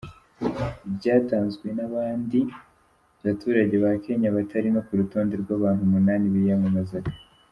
Byatanzwe n’abandi baturage ba Kenya batari no ku rutonde rw’abantu umunani biyamamazaga !